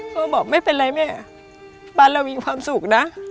เขาบอกไม่เป็นไรแม่บ้านเรามีความสุขนะ